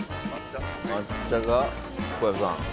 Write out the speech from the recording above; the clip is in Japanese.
抹茶が小籔さん。